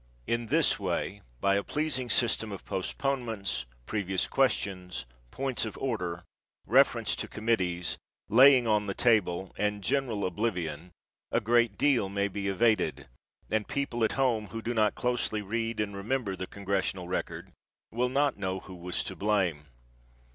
In this way by a pleasing system of postponements, previous questions, points of order, reference to committees, laying on the table, and general oblivion, a great deal may be evaded, and people at home who do not closely read and remember the Congressional Record will not know who was to blame.